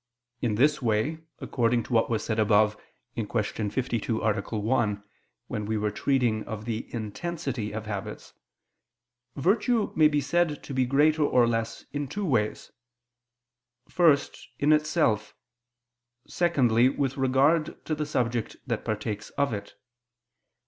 In this way, according to what was said above (Q. 52, A. 1), when we were treating of the intensity of habits, virtue may be said to be greater or less in two ways: first, in itself; secondly with regard to the subject that partakes of it.